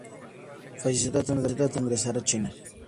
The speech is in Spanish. Falleció tratando de poder ingresar a China.